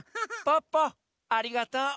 ポッポありがとう。